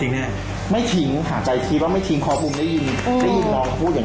เอาอย่างนี้ไหมพี่ปูมลงขายสวนข้างหน้าไปก่อน